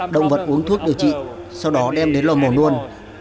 động vật uống thuốc điều trị sau đó đem đến lò mổ luôn